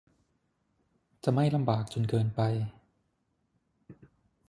จะไม่ลำบากจนเกินไป